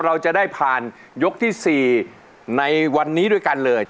เราจะได้ผ่านยกที่๔ในวันนี้ด้วยกันเลย